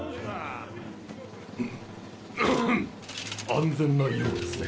安全なようですね。